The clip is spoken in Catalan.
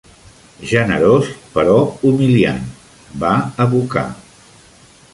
"Generós però humiliant", va evocar.